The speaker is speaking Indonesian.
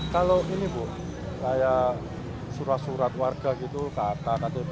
kalau ini bu kayak surat surat warga gitu kkp